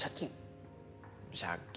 借金？